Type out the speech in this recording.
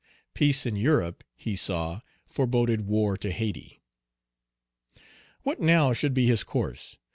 Peace in Europe he saw foreboded war to Hayti. What now should be his course?